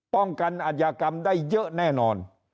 ป้องกันอัธยากรรมได้เยอะแน่นอน